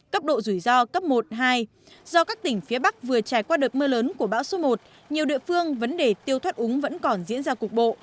cấp độ rủi ro cấp một hai do các tỉnh phía bắc vừa trải qua đợt mưa lớn của bão số một nhiều địa phương vấn đề tiêu thoát úng vẫn còn diễn ra cục bộ